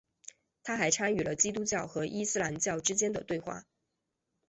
他还参与了基督教和伊斯兰教之间的对话。